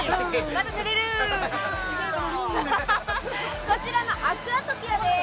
また濡れるこちらのアクアトピアです